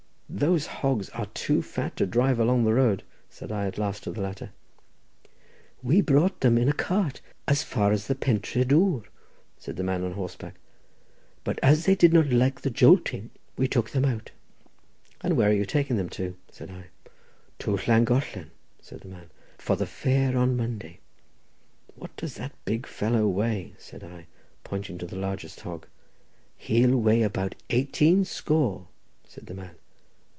"Those hogs are too fat to drive along the road," said I at last to the latter. "We brought them in a cart as far as the Pentré Dwr," said the man on horseback, "but as they did not like the jolting we took them out." "And where are you taking them to?" said I. "To Llangollen," said the man, "for the fair on Monday." "What does that big fellow weigh?" said I, pointing to the largest hog. "He'll weigh about eighteen score," said the man.